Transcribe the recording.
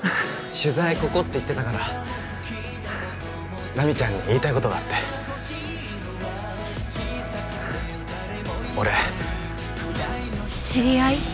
取材ここって言ってたから奈未ちゃんに言いたいことがあって俺知り合い？